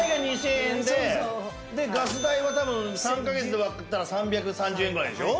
ガス代は多分３か月で割ったら３３０円ぐらいでしょ。